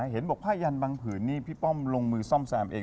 เห็นบอกผ้ายันบางผืนนี่พี่ป้อมลงมือซ่อมแซมเอง